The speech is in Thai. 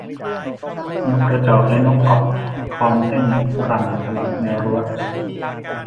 นกกระจอกและนกเกาะคอนเต้นรำตลอดแนวรั้ว